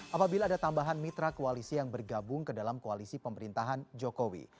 apabila ada tambahan mitra koalisi yang bergabung ke dalam koalisi pemerintahan jokowi